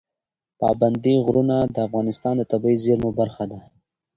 پابندی غرونه د افغانستان د طبیعي زیرمو برخه ده.